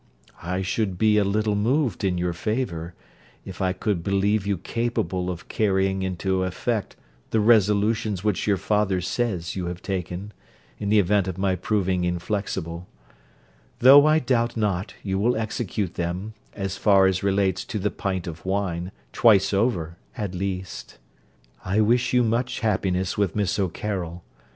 I should be a little moved in your favour, if I could believe you capable of carrying into effect the resolutions which your father says you have taken, in the event of my proving inflexible; though I doubt not you will execute them, as far as relates to the pint of wine, twice over, at least. I wish you much happiness with Miss O'Carroll.